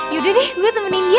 yaudah deh gue temenin dia